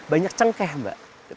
banyak cengkeh mbak